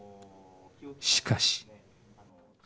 しかし